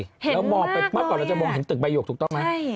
เห็นมากเลยแล้วบอกว่าจะมองเห็นตึกบายกถูกต้องไหม